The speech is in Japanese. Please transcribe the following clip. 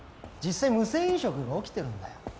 実際無銭飲食が起きてるんだよ